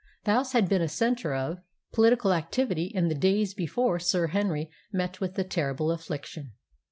The house had been a centre of political activity in the days before Sir Henry met with that terrible affliction.